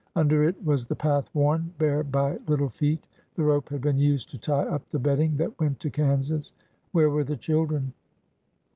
Under it was the path worn bare by little feet. The rope had been used to tie up the bedding that went to Kansas. Where were the children?